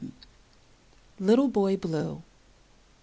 40 LITTLE BOY BLUE.